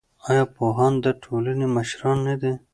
ایا پوهان د ټولنې مشران نه دي؟